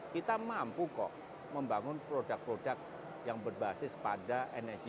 kita mampu kok membangun produk produk yang berbasis pada energi